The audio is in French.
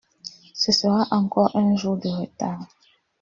Ce sera encore un jour de retard.